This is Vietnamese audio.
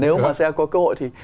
nếu mà xe có cơ hội thì